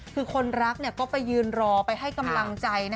คือคนรักก็ไปยืนรอไปให้กำลังใจ